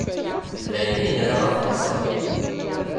D ayen ay nra ad t-nẓer.